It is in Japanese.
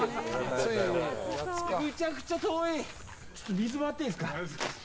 水もらっていいですか。